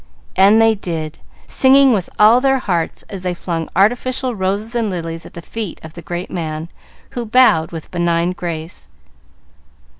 And they did, singing with all their hearts as they flung artificial roses and lilies at the feet of the great men, who bowed with benign grace.